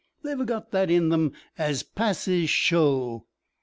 They've a got that in them as passes show.'